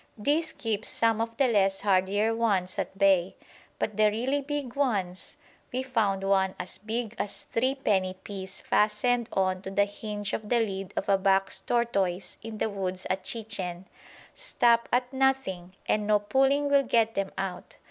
This keeps some of the less hardier ones at bay; but the really big ones (we found one as big as a threepenny piece fastened on to the hinge of the lid of a box tortoise in the woods at Chichen) stop at nothing, and no pulling will get them out.